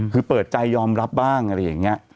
คือเปิดใจยอมรับบ้างอะไรอย่างนี้